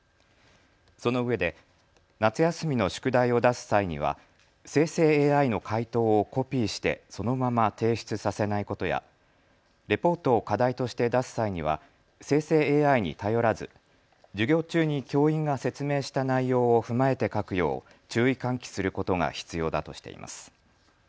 そのうえで夏休みの宿題を出す際には生成ＡＩの回答をコピーしてそのまま提出させないことやレポートを課題として出す際には生成ＡＩに頼らず授業中に教員が説明した内容を踏まえて書くよう注意喚起することが必要だとしています。